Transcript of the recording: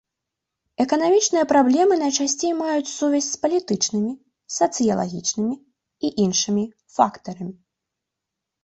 Эканамічныя праблемы найчасцей маюць сувязь с палітычнымі, сацыялагічнымі і іншымі фактарамі.